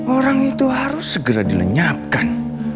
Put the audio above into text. orang itu harus segera dilenyapkan